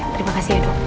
terima kasih ya dok